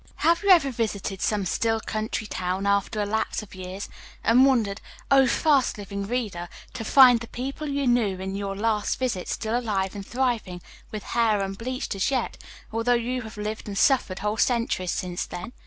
Have you ever visited some still country town after a lapse of years, and wondered, oh, fast living reader, to find the people you knew in your last visit still alive and thriving, with hair unbleached as yet, although you have lived and suffered whole centuries since then?